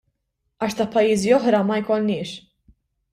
Għax ta' pajjiżi oħra, ma jkollniex.